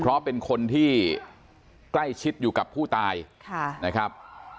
เพราะเป็นคนที่ใกล้ชิดอยู่กับผู้ตายนะครับ